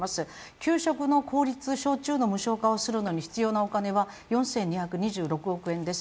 給食の公立小中の無償化をするのに必要なお金は４２２６億円です。